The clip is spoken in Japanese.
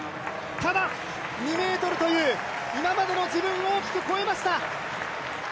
ただ、２ｍという今までの自分を大きく超えました。